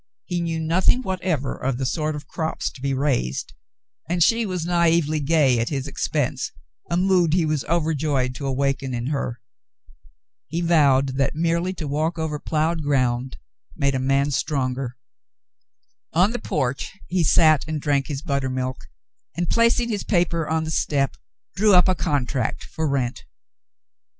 He knew nothing whatever of the sort of crops to The Voices 119 be raised, and she was naively gay at his expense, a mood he was overjoyed to awaken in her. He vowed that merely to walk over ploughed ground made a man stronger.^ On the porch he sat and drank his buttermilk and, placing his paper on the step, drew up a contract for rent.